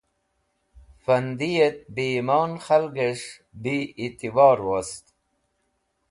Fundiyet Bi Imon Khalges̃h Bi Etibor wost